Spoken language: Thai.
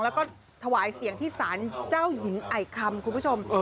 แล้วเถาายเสียงที่ศานเจ้ายิงไอร์คัม